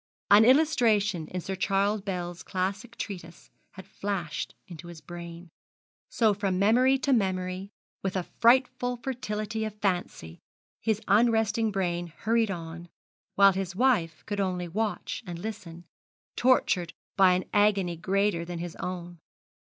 An illustration in Sir Charles Bell's classic treatise had flashed into his brain. So, from memory to memory, with a frightful fertility of fancy, his unresting brain hurried on; while his wife could only watch and listen, tortured by an agony greater than his own.